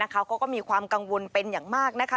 เขาก็มีความกังวลเป็นอย่างมากนะคะ